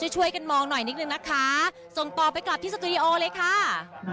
ช่วยกันมองหน่อยนิดนึงนะคะส่งต่อไปกลับที่สตูดิโอเลยค่ะ